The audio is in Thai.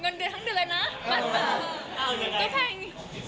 เงินเดือนทั้งเดือนเลยนะบัตรแพง